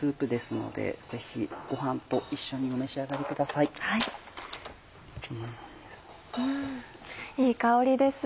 いい香りです。